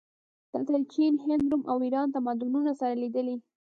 دلته د چین، هند، روم او ایران تمدنونه سره لیدلي